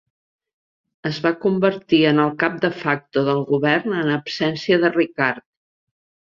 Es va convertir en el cap de facto del govern en absència de Ricard.